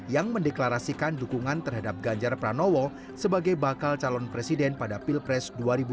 yang mendeklarasikan dukungan terhadap ganjar pranowo sebagai bakal calon presiden pada pilpres dua ribu dua puluh